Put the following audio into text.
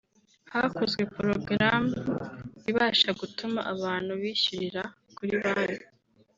hakozwe porogaramu ibasha gutuma abantu bishyurira kuri banki